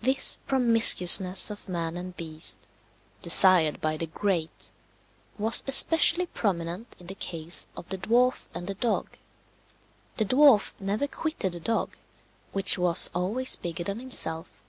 This promiscuousness of man and beast, desired by the great, was especially prominent in the case of the dwarf and the dog. The dwarf never quitted the dog, which was always bigger than himself.